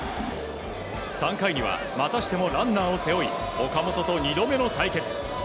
３回にはまたしてもランナーを背負い岡本と２度目の対決。